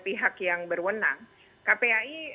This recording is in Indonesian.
pihak yang berwenang kpai